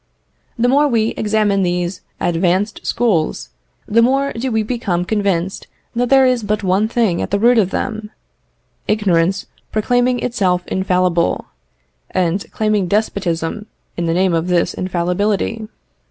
The more we examine these advanced schools, the more do we become convinced that there is but one thing at the root of them: ignorance proclaiming itself infallible, and claiming despotism in the name of this infallibility.